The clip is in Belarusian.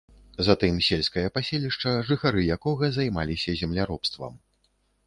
Затым сельскае паселішча, жыхары якога займаліся земляробствам.